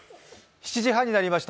７時半になりました。